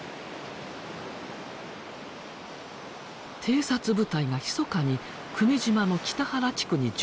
偵察部隊がひそかに久米島の北原地区に上陸。